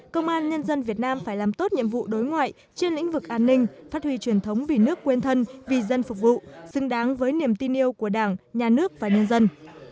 công an nhân dân việt nam phải làm tốt nhiệm vụ đối ngoại trên lĩnh vực an ninh phát huy truyền thống vì nước quên thân vì dân phục vụ xứng đáng với niềm tin yêu của đảng nhà nước và nhân dân